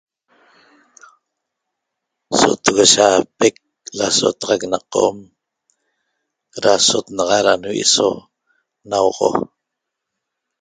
So tugushapec lasotaxac na qom dasot naxa da nvi' so nauoxo